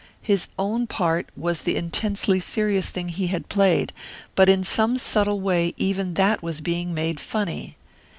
His own part was the intensely serious thing he had played, but in some subtle way even that was being made funny.